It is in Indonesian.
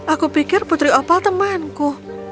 aku pikir putri opal temanku